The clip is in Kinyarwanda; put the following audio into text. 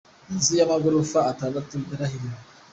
Inzu y’amagorofa atandatu yarahirimye